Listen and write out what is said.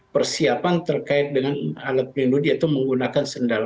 persiapan terkait dengan alat pelindung diri atau menggunakan sendal